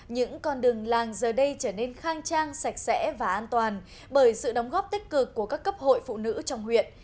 những con đường làng giờ đây trở nên khang trang sạch sẽ và an toàn bởi sự đóng góp tích cực của các cấp hội phụ nữ trong huyện